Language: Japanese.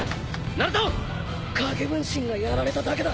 影分身がやられただけだ。